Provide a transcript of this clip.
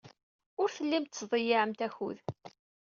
Ur tellimt tettḍeyyiɛemt akud.